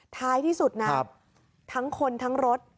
ท้ายที่สุดนะทั้งคนทั้งรถ